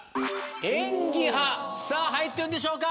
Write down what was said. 演技派さぁ入ってるんでしょうか？